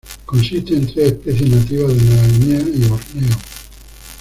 Consiste en tres especies nativas de Nueva Guinea y Borneo.